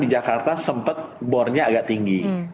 di jakarta sempat bornya agak tinggi